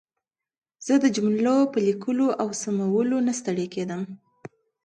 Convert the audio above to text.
زه د جملو په لیکلو او سمولو نه ستړې کېدم.